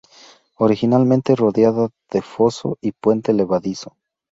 Originalmente rodeada de foso y puente levadizo.